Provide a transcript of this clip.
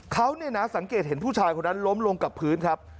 เขาเนี่ยนะสังเกตเห็นผู้ชายคนนั้นล้มลงกับพื้นครับ